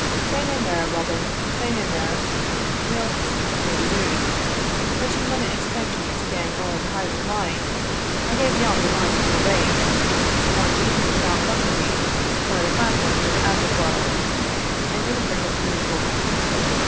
"Say nae mair, Robin say nae mair We'll see what may be dune. But ye maunna expect me to gang ower the Highland line I'll gae beyond the line at no rate. Ye maun meet me about Bucklivie or the Clachan of Aberfoil, and dinna forget the needful."